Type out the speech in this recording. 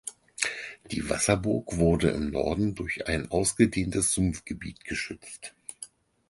Die Wasserburg wurde im Norden durch ein ausgedehntes Sumpfgebiet geschützt.